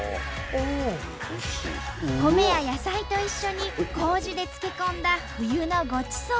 米や野菜と一緒に麹で漬け込んだ冬のごちそう。